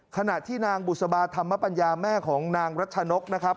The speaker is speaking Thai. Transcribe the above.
ขณะที่นางบุษบาธรรมปัญญาแม่ของนางรัชนกนะครับ